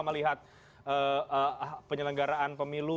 melihat penyelenggaraan pemilu